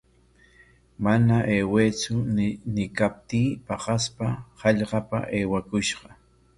Mana aywaytsu ñiykaptii paqaspa hallqapa aywakushqa.